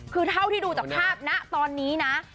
คือเท่าที่ดูจากภาพนะตอนนี้นะ